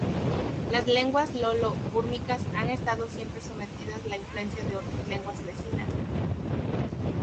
Las lenguas lolo-búrmicas han estado siempre sometidas la influencia de otras lenguas vecinas.